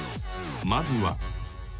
［まずは］